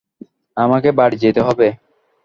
আমাকে বাড়ি যেতেই হবে।